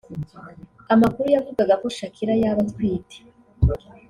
Amakuru yavugaga ko Shakira yaba atwite